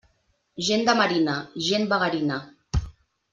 Gent de marina, gent vagarina.